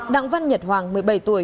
đặng văn nhật hoàng một mươi bảy tuổi